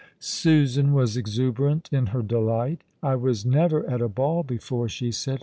Susan was exuberant in her delight. "I was never at a ball before/' she said.